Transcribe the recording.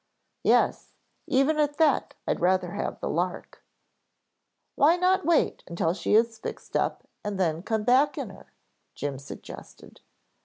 "Yes, even at that I'd rather have the 'Lark'." "Why not wait until she is fixed up then come back in her?" Jim suggested.